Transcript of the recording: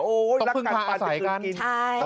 ต้องพึ่งพาอาศัยกัน